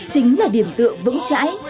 chính là điểm tượng vững chãi